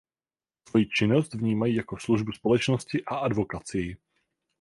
Svoji činnost vnímají jako službu společnosti a advokacii.